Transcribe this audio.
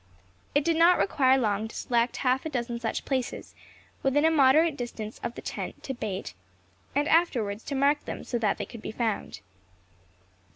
It did not require long to select half a dozen such places, within a moderate distance of the tent, to bait, and afterwards to mark them so that they could be found.